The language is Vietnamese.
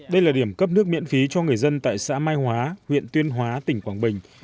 đây là điểm cấp nước miễn phí cho người dân tại xã mai hóa huyện tuyên hóa tỉnh quảng bình